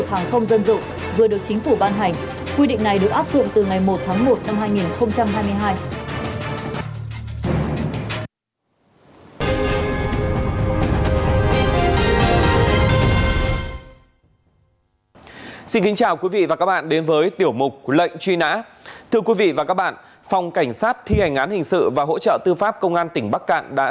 trong những vực hàng không dân dụng vừa được chính phủ ban hành